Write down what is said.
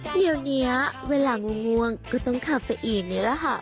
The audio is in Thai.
เดี๋ยวนี้เวลางงวงก็ต้องคาเฟอีนี่รึหรอ